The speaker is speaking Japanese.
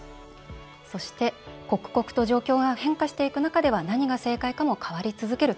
そして刻々と状況が変化していく中では何が正解かも変わり続ける。